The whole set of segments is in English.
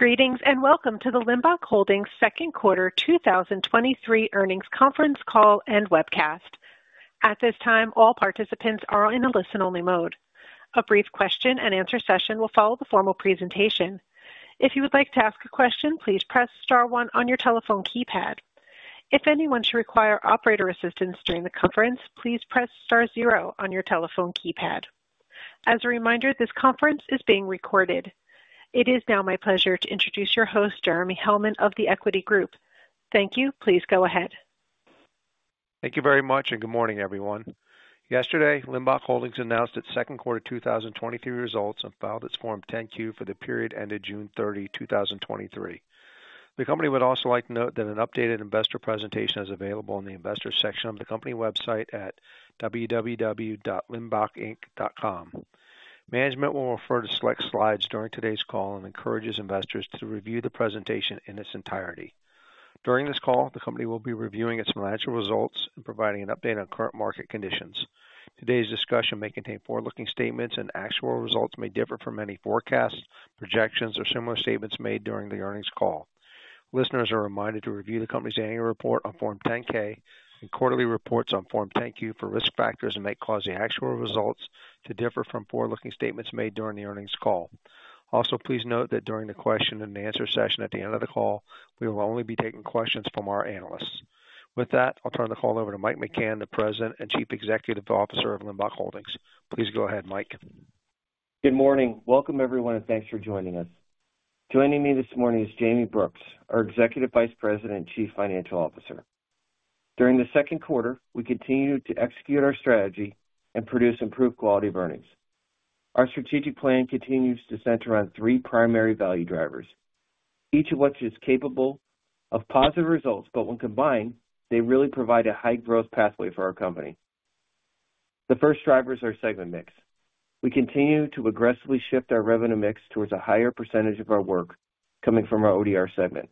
Greetings and welcome to the Limbach Holdings second quarter 2023 earnings conference call and webcast. At this time, all participants are in a listen-only mode. A brief question and answer session will follow the formal presentation. If you would like to ask a question, please press star one on your telephone keypad. If anyone should require operator assistance during the conference, please press star zero on your telephone keypad. As a reminder, this conference is being recorded. It is now my pleasure to introduce your host, Jeremy Hellman of The Equity Group. Thank you. Please go ahead. Thank you very much and good morning, everyone. Yesterday, Limbach Holdings announced its second quarter 2023 results and filed its Form 10-Q for the period ended June 30, 2023. The company would also like to note that an updated investor presentation is available in the investor section of the company website at www.limbachinc.com. Management will refer to select slides during today's call and encourages investors to review the presentation in its entirety. During this call, the company will be reviewing its financial results and providing an update on current market conditions. Today's discussion may contain forward-looking statements and actual results may differ from any forecasts, projections, or similar statements made during the earnings call. Listeners are reminded to review the company's annual report on Form 10-K and quarterly reports on Form 10-Q for risk factors that may cause the actual results to differ from forward-looking statements made during the earnings call. Please note that during the question and answer session at the end of the call, we will only be taking questions from our analysts. With that, I'll turn the call over to Mike McCann, the President and Chief Executive Officer of Limbach Holdings. Please go ahead, Mike. Good morning. Welcome, everyone, and thanks for joining us. Joining me this morning is Jayme Brooks, our Executive Vice President and Chief Financial Officer. During the second quarter, we continue to execute our strategy and produce improved quality of earnings. Our strategic plan continues to center on three primary value drivers, each of which is capable of positive results, but when combined, they really provide a high-growth pathway for our company. The first drivers are segment mix. We continue to aggressively shift our revenue mix towards a higher percentage of our work coming from our ODR segment.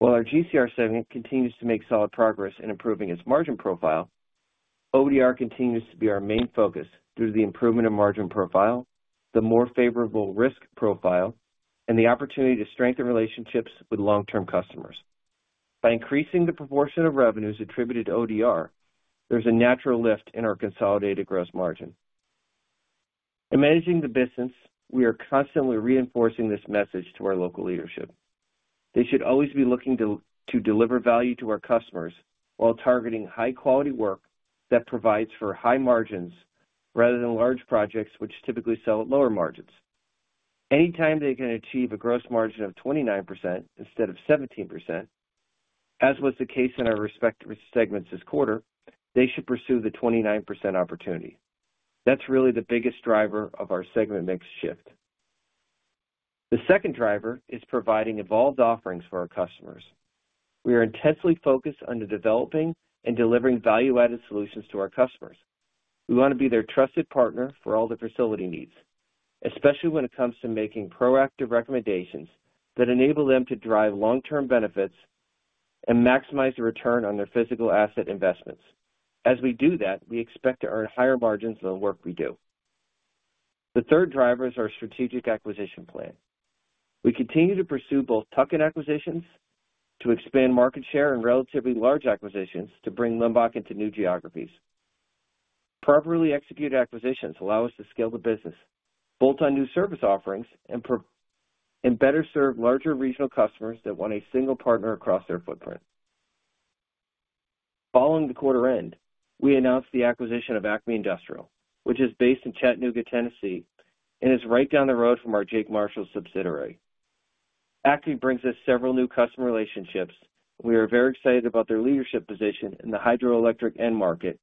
While our GCR segment continues to make solid progress in improving its margin profile, ODR continues to be our main focus due to the improvement of margin profile, the more favorable risk profile, and the opportunity to strengthen relationships with long-term customers. By increasing the proportion of revenues attributed to ODR, there's a natural lift in our consolidated gross margin. In managing the business, we are constantly reinforcing this message to our local leadership. They should always be looking to deliver value to our customers while targeting high-quality work that provides for high margins rather than large projects which typically sell at lower margins. Anytime they can achieve a gross margin of 29% instead of 17%, as was the case in our respective segments this quarter, they should pursue the 29% opportunity. That's really the biggest driver of our segment mix shift. The second driver is providing evolved offerings for our customers. We are intensely focused on developing and delivering value-added solutions to our customers. We want to be their trusted partner for all the facility needs, especially when it comes to making proactive recommendations that enable them to drive long-term benefits and maximize the return on their physical asset investments. As we do that, we expect to earn higher margins on the work we do. The third driver is our strategic acquisition plan. We continue to pursue both tuck-in acquisitions to expand market share and relatively large acquisitions to bring Limbach into new geographies. Properly executed acquisitions allow us to scale the business, bolt on new service offerings, and better serve larger regional customers that want a single partner across their footprint. Following the quarter end, we announced the acquisition of ACME Industrial, which is based in Chattanooga, Tennessee, and is right down the road from our Jake Marshall subsidiary. ACME brings us several new customer relationships. We are very excited about their leadership position in the hydroelectric end market,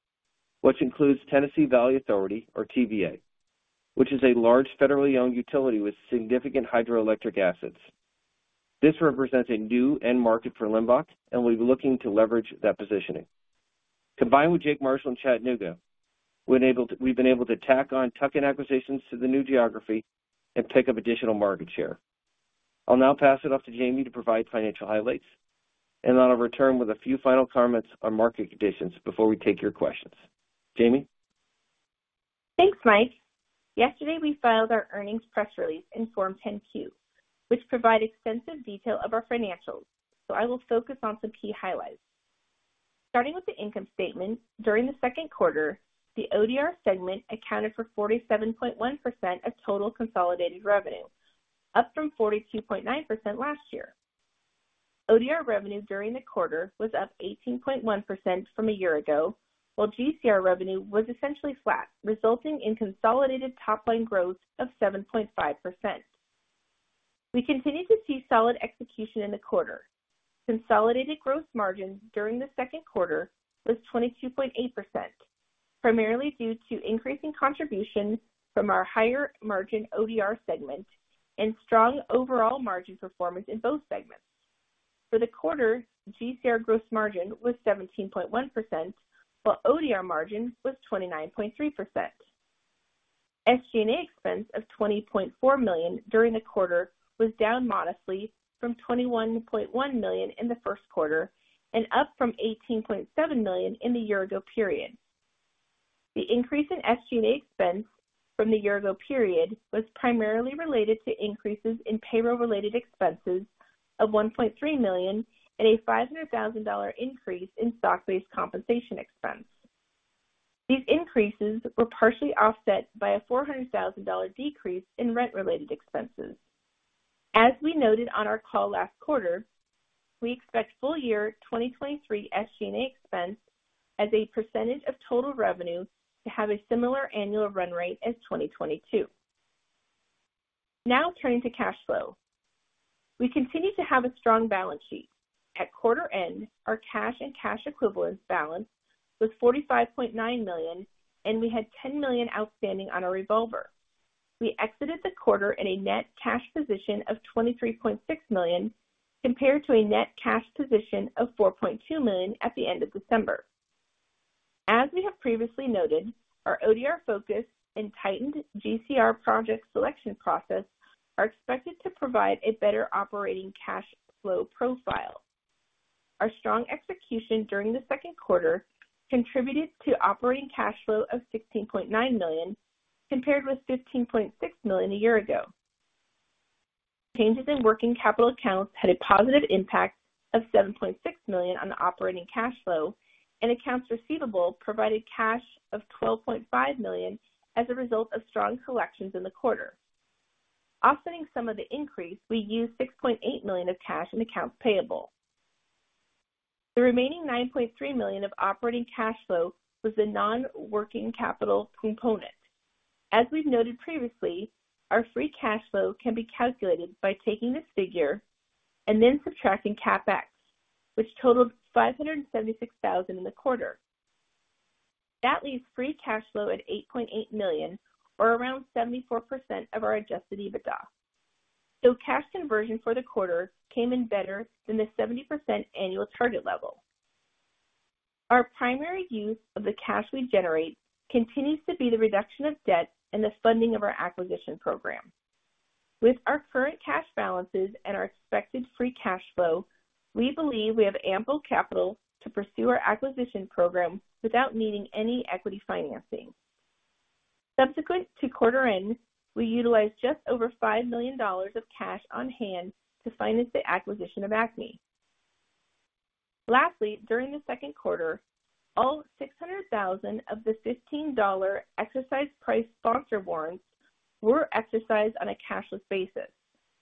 which includes Tennessee Valley Authority, or TVA, which is a large federally owned utility with significant hydroelectric assets. This represents a new end market for Limbach. We're looking to leverage that positioning. Combined with Jake Marshall and Chattanooga, we've been able to tack on tuck-in acquisitions to the new geography and pick up additional market share. I'll now pass it off to Jayme to provide financial highlights. Then I'll return with a few final comments on market conditions before we take your questions. Jayme? Thanks, Mike. Yesterday, we filed our earnings press release in Form 10-Q, which provided extensive detail of our financials, so I will focus on some key highlights. Starting with the income statement, during the second quarter, the ODR segment accounted for 47.1% of total consolidated revenue, up from 42.9% last year. ODR revenue during the quarter was up 18.1% from a year ago, while GCR revenue was essentially flat, resulting in consolidated top-line growth of 7.5%. We continue to see solid execution in the quarter. Consolidated gross margin during the second quarter was 22.8%, primarily due to increasing contribution from our higher-margin ODR segment and strong overall margin performance in both segments. For the quarter, GCR gross margin was 17.1%, while ODR margin was 29.3%. SG&A expense of $20.4 million during the quarter was down modestly from $21.1 million in the first quarter and up from $18.7 million in the year-ago period. The increase in SG&A expense from the year-ago period was primarily related to increases in payroll-related expenses of $1.3 million and a $500,000 increase in stock-based compensation expense. These increases were partially offset by a $400,000 decrease in rent-related expenses. As we noted on our call last quarter, we expect full-year 2023 SG&A expense as a % of total revenue to have a similar annual run rate as 2022. Turning to cash flow. We continue to have a strong balance sheet. At quarter end, our cash and cash equivalents balance was $45.9 million, and we had $10 million outstanding on a revolver. We exited the quarter in a net cash position of $23.6 million compared to a net cash position of $4.2 million at the end of December. As we have previously noted, our ODR focus and tightened GCR project selection process are expected to provide a better operating cash flow profile. Our strong execution during the second quarter contributed to operating cash flow of $16.9 million compared with $15.6 million a year ago. Changes in working capital accounts had a positive impact of $7.6 million on the operating cash flow, and accounts receivable provided cash of $12.5 million as a result of strong collections in the quarter. Offsetting some of the increase, we used $6.8 million of cash in accounts payable. The remaining $9.3 million of operating cash flow was the non-working capital component. As we've noted previously, our free cash flow can be calculated by taking this figure and then subtracting CapEx, which totaled $576,000 in the quarter. That leaves free cash flow at $8.8 million, or around 74% of our adjusted EBITDA. Cash conversion for the quarter came in better than the 70% annual target level. Our primary use of the cash we generate continues to be the reduction of debt and the funding of our acquisition program. With our current cash balances and our expected free cash flow, we believe we have ample capital to pursue our acquisition program without needing any equity financing. Subsequent to quarter end, we utilized just over $5 million of cash on hand to finance the acquisition of ACME. Lastly, during the second quarter, all 600,000 of the $15 exercise-priced sponsor warrants were exercised on a cashless basis,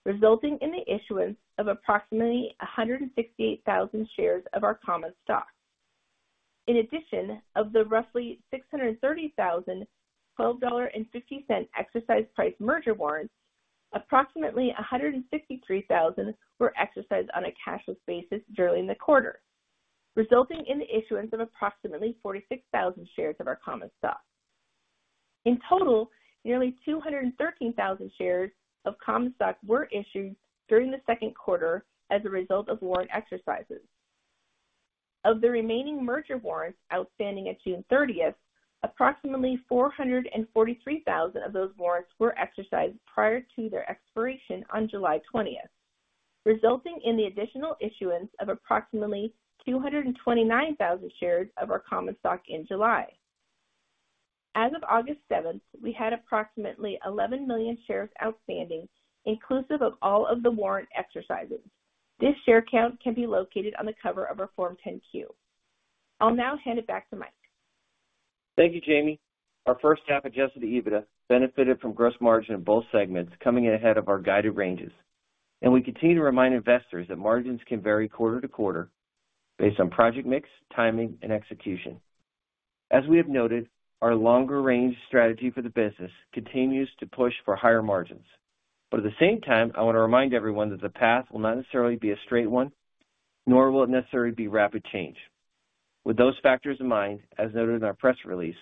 resulting in the issuance of approximately 168,000 shares of our common stock. In addition, of the roughly 630,000 $12.50 exercise-priced merger warrants, approximately 163,000 were exercised on a cashless basis during the quarter, resulting in the issuance of approximately 46,000 shares of our common stock. In total, nearly 213,000 shares of common stock were issued during the second quarter as a result of warrant exercises. Of the remaining merger warrants outstanding at June 30th, approximately 443,000 of those warrants were exercised prior to their expiration on July 20th, resulting in the additional issuance of approximately 229,000 shares of our common stock in July. As of August 7th, we had approximately 11 million shares outstanding, inclusive of all of the warrant exercises. This share count can be located on the cover of our Form 10-Q. I'll now hand it back to Mike. Thank you, Jayme. Our first half-adjusted EBITDA benefited from gross margin in both segments, coming in ahead of our guided ranges. We continue to remind investors that margins can vary quarter to quarter based on project mix, timing, and execution. As we have noted, our longer-range strategy for the business continues to push for higher margins. At the same time, I want to remind everyone that the path will not necessarily be a straight one, nor will it necessarily be rapid change. With those factors in mind, as noted in our press release,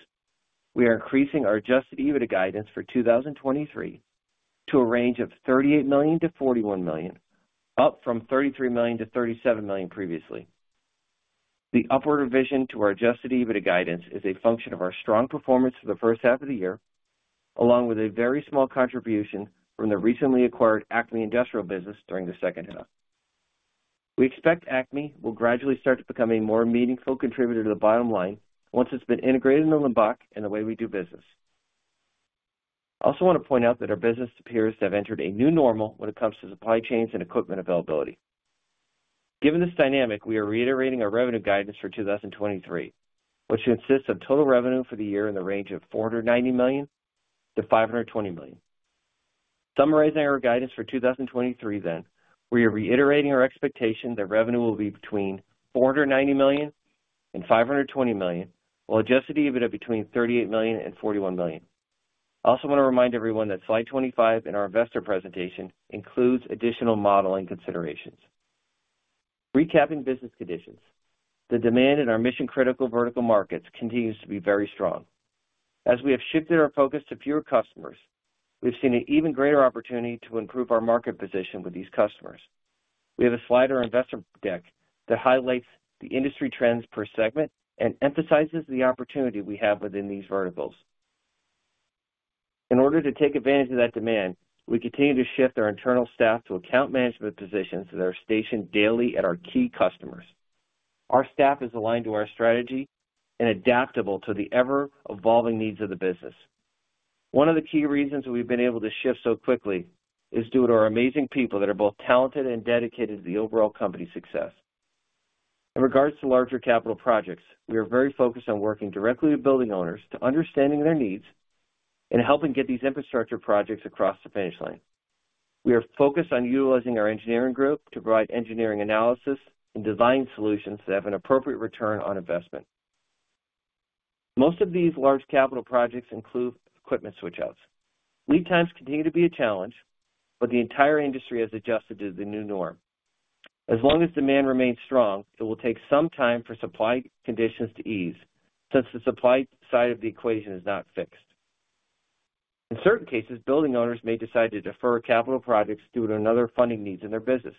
we are increasing our adjusted EBITDA guidance for 2023 to a range of $38 million-$41 million, up from $33 million-$37 million previously. The upward revision to our adjusted EBITDA guidance is a function of our strong performance for the first half of the year, along with a very small contribution from the recently acquired ACME Industrial business during the second half. We expect ACME will gradually start to become a more meaningful contributor to the bottom line once it's been integrated into Limbach and the way we do business. I also want to point out that our business appears to have entered a new normal when it comes to supply chains and equipment availability. Given this dynamic, we are reiterating our revenue guidance for 2023, which consists of total revenue for the year in the range of $490 million-$520 million. Summarizing our guidance for 2023, we are reiterating our expectation that revenue will be between $490 million and $520 million, while adjusted EBITDA between $38 million and $41 million. I also want to remind everyone that slide 25 in our investor presentation includes additional modeling considerations. Recapping business conditions, the demand in our mission-critical vertical markets continues to be very strong. As we have shifted our focus to fewer customers, we've seen an even greater opportunity to improve our market position with these customers. We have a slide on our investor deck that highlights the industry trends per segment and emphasizes the opportunity we have within these verticals. In order to take advantage of that demand, we continue to shift our internal staff to account management positions that are stationed daily at our key customers. Our staff is aligned to our strategy and adaptable to the ever-evolving needs of the business. One of the key reasons we've been able to shift so quickly is due to our amazing people that are both talented and dedicated to the overall company success. In regards to larger capital projects, we are very focused on working directly with building owners to understand their needs and helping get these infrastructure projects across the finish line. We are focused on utilizing our engineering group to provide engineering analysis and design solutions that have an appropriate return on investment. Most of these large capital projects include equipment switch-outs. Lead times continue to be a challenge, but the entire industry has adjusted to the new norm. As long as demand remains strong, it will take some time for supply conditions to ease since the supply side of the equation is not fixed. In certain cases, building owners may decide to defer capital projects due to other funding needs in their business.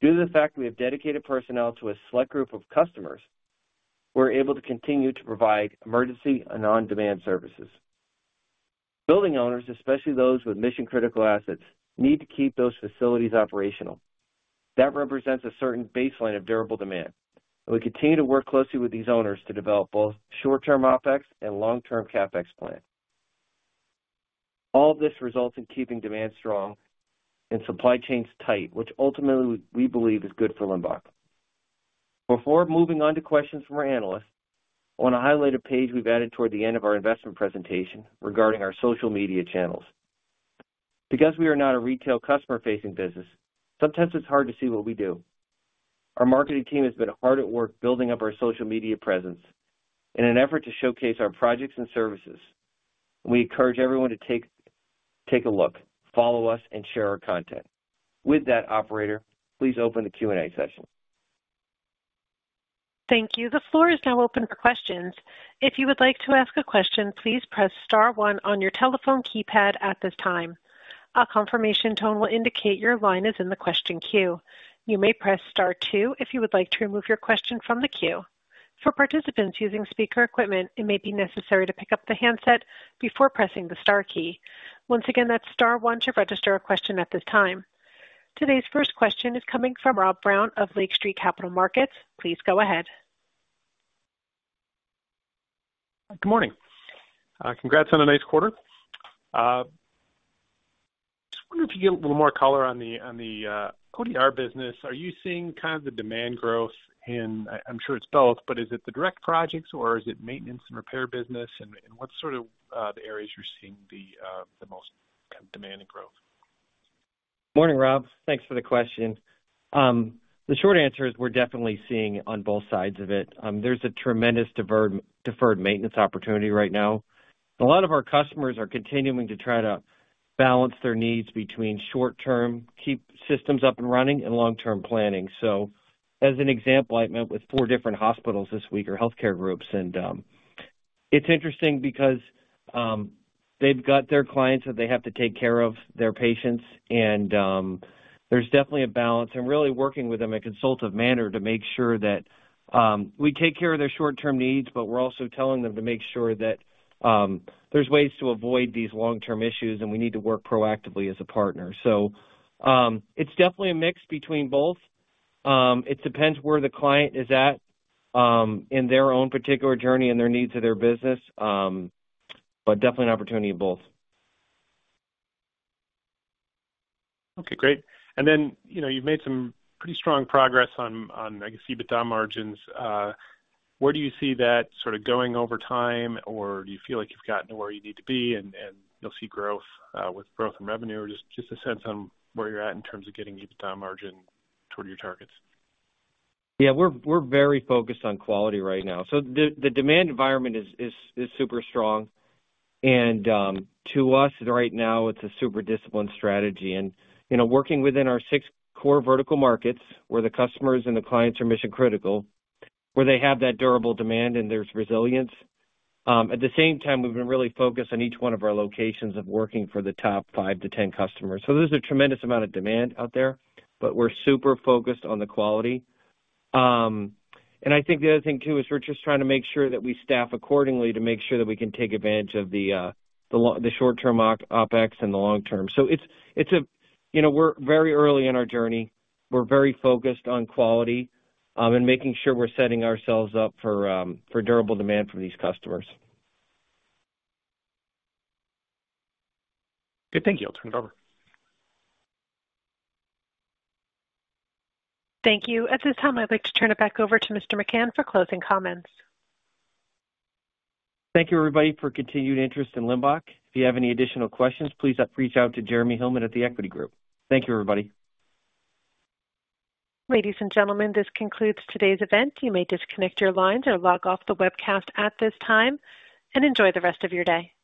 Due to the fact we have dedicated personnel to a select group of customers, we're able to continue to provide emergency and on-demand services. Building owners, especially those with mission-critical assets, need to keep those facilities operational. That represents a certain baseline of durable demand, and we continue to work closely with these owners to develop both short-term OpEx and long-term CapEx plans. All of this results in keeping demand strong and supply chains tight, which ultimately we believe is good for Limbach. Before moving on to questions from our analysts, I want to highlight a page we've added toward the end of our investment presentation regarding our social media channels. Because we are not a retail customer-facing business, sometimes it's hard to see what we do. Our marketing team has been hard at work building up our social media presence in an effort to showcase our projects and services. We encourage everyone to take a look, follow us, and share our content. With that, operator, please open the Q&A session. Thank you. The floor is now open for questions. If you would like to ask a question, please press star one on your telephone keypad at this time. A confirmation tone will indicate your line is in the question queue. You may press star two if you would like to remove your question from the queue. For participants using speaker equipment, it may be necessary to pick up the handset before pressing the star key. Once again, that's star one to register a question at this time. Today's first question is coming from Rob Brown of Lake Street Capital Markets. Please go ahead. Good morning. Congrats on a nice quarter. I just wonder if you get a little more color on the ODR business. Are you seeing kind of the demand growth in I'm sure it's both, but is it the direct projects, or is it maintenance and repair business? What sort of areas are you seeing the most demand and growth? Morning, Rob. Thanks for the question. The short answer is we're definitely seeing on both sides of it. There's a tremendous deferred maintenance opportunity right now. A lot of our customers are continuing to try to balance their needs between short-term, keep systems up and running, and long-term planning. As an example, I met with four different hospitals this week, or healthcare groups, and it's interesting because they've got their clients that they have to take care of, their patients, and there's definitely a balance. I'm really working with them in a consultative manner to make sure that we take care of their short-term needs, but we're also telling them to make sure that there's ways to avoid these long-term issues, and we need to work proactively as a partner. It's definitely a mix between both. It depends where the client is at in their own particular journey and their needs of their business, but definitely an opportunity in both. Okay, great. Then you've made some pretty strong progress on, I guess, EBITDA margins. Where do you see that sort of going over time, or do you feel like you've gotten to where you need to be and you'll see growth with growth in revenue? Or just a sense on where you're at in terms of getting EBITDA margin toward your targets? We're very focused on quality right now. The demand environment is super strong. To us, right now, it's a super disciplined strategy. Working within our six core vertical markets where the customers and the clients are mission-critical, where they have that durable demand and there's resilience, at the same time, we've been really focused on each one of our locations of working for the top 5-10 customers. There's a tremendous amount of demand out there, but we're super focused on the quality. I think the other thing, too, is we're just trying to make sure that we staff accordingly to make sure that we can take advantage of the short-term OpEx and the long-term. We're very early in our journey. We're very focused on quality and making sure we're setting ourselves up for durable demand from these customers. Good. Thank you. I'll turn it over. Thank you. At this time, I'd like to turn it back over to Mr. McCann for closing comments. Thank you, everybody, for continued interest in Limbach. If you have any additional questions, please reach out to Jeremy Hellman at The Equity Group. Thank you, everybody. Ladies and gentlemen, this concludes today's event. You may disconnect your lines or log off the webcast at this time and enjoy the rest of your day.